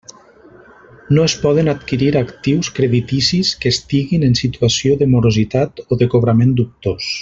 No es poden adquirir actius crediticis que estiguin en situació de morositat o de cobrament dubtós.